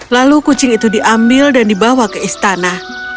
lalu kucing itu diambil dan dibawa ke istana